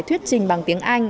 thuyết trình bằng tiếng anh